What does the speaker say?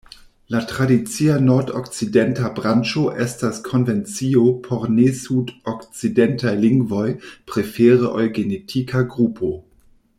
La tradicia nordokcidenta branĉo estas konvencio por ne-sudokcidentaj lingvoj, prefere ol genetika grupo.